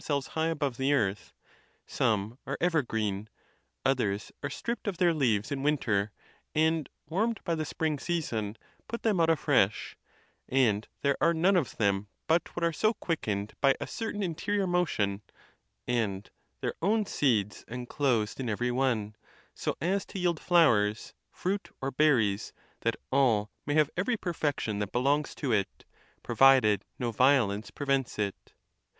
177 selves high above the earth, some are evergreen, others are stripped of their leaves in winter, and, warmed by the spring season, put them out afresh, and there are none of them but what are so quickened by a certain interior mo tion, and their own seeds enclosed in every one, so as to yield flowers, fruit, or berries, that all may have every per fection that belongs to it; provided no violence prevents it.